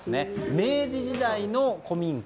明治時代の古民家。